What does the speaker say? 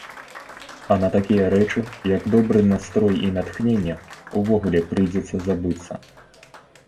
А на такія рэчы, як добры настрой і натхненне, увогуле прыйдзецца забыцца.